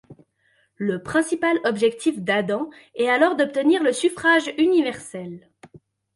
Le principal objectif d'Adams est alors d'obtenir le suffrage universel.